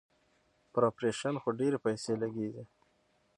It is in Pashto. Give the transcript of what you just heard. پر اپرېشن خو ډېرې پيسې لگېږي.